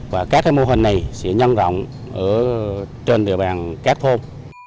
và các mô hình này sẽ nhân rộng trên địa bàn các thôn